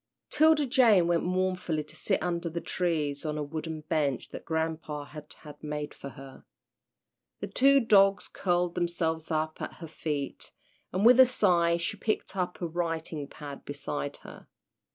'Tilda Jane went mournfully to sit under the trees on a wooden bench that grampa had had made for her. The two dogs curled themselves up at her feet, and with a sigh she picked up a writing pad beside her.